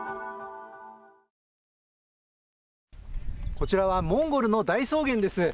こちらはモンゴルの大草原です。